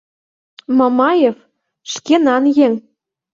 — Мамаев — шкенан еҥ...